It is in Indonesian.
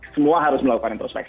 semua harus melakukan introspeksi